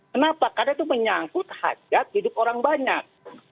kenapa karena itu menyangkut hajat hidup orang banyak